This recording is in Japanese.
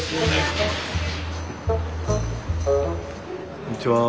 こんにちは。